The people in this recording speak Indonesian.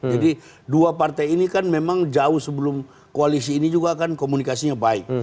jadi dua partai ini kan memang jauh sebelum koalisi ini juga kan komunikasinya baik